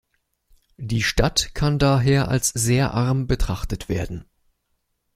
Die Stadt kann daher als sehr arm betrachtet werden.